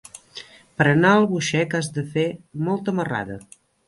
Per anar a Albuixec has de fer molta marrada.